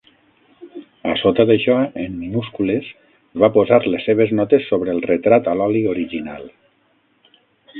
A sota d'això, en minúscules, va posar les seves notes sobre el retrat a l'oli original.